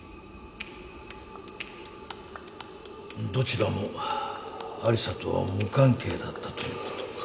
どちらも有沙とは無関係だったということか。